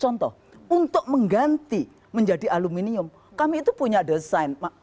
contoh untuk mengganti menjadi aluminium kami itu punya desain